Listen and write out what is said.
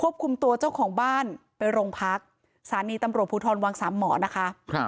บ้านไปโรงพักษณีย์ตำรวจภูทรวางสามหมอนะคะ